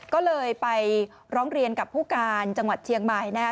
ก็เลยไปร้องเรียนกับผู้การจังหวัดเชียงใหม่นะครับ